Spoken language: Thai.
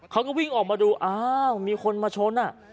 เขาก็วิ่งออกมาดูอ้าวมีคนมาชน